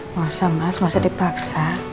masa mas masa dipaksa